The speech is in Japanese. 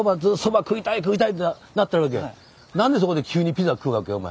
なんでそこで急にピザ食うわけお前。